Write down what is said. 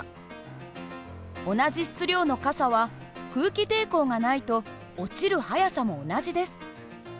同じ質量の傘は空気抵抗がないと落ちる速さも同じです。